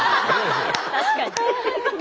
確かに。